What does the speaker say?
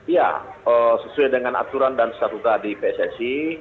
ya sesuai dengan aturan dan statuta di pssi